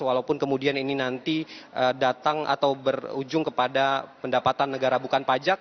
walaupun kemudian ini nanti datang atau berujung kepada pendapatan negara bukan pajak